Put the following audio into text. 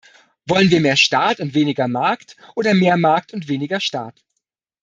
Wollen wir mehr Staat und weniger Markt oder mehr Markt und weniger Staat?